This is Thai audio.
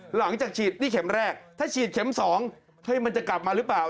หลังจากฉีดนี่เข็มแรกถ้าฉีดเข็ม๒มันจะกลับมาหรือเปล่า